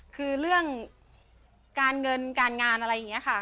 คือเรื่องการเงินการงานอะไรอย่างนี้ค่ะ